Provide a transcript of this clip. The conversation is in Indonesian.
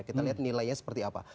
kita lihat nilainya seperti apa